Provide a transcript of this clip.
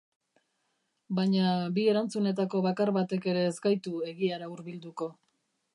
Baina bi erantzunetako bakar batek ere ez gaitu egiara hurbilduko.